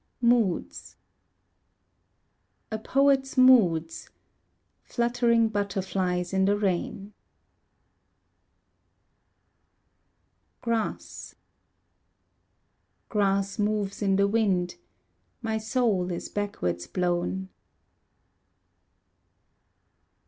Moods A poet's moods: Fluttering butterflies in the rain. Grass Grass moves in the wind, My soul is backwards blown.